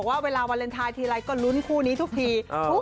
สำหรับน้องลิลลีอยากจะส่งไปให้